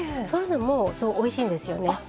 そういうのもすごいおいしいんですよね。